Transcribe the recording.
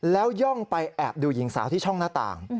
แล้วย่องไปแอบดูหญิงสาวที่ช่องหน้าต่าง